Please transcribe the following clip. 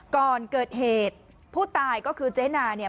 ก่อนเกิดเหตุผู้ตายก็คือเจ๊นาเนี่ย